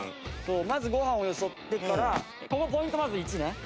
まずご飯をよそってからここポイントまず１ね。